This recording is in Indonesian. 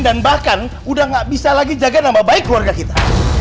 dan bahkan udah nggak bisa lagi jaga nama baik keluarga kita